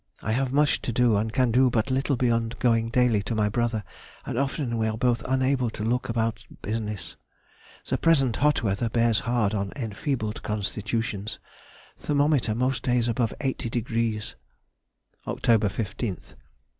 I have much to do and can do but little beyond going daily to my brother, and often we are both unable to look about business. The present hot weather bears hard on enfeebled constitutions. Thermometer most days above 80 degrees. _Oct. 15th.